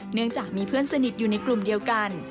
เนื่องจากมีเพื่อนสนิทอยู่ในกลุ่มเดียวกัน